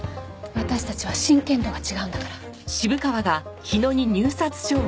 私たちは真剣度が違うんだから。